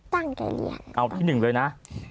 ตั้งใจเรียนเอาที่๑เลยนะ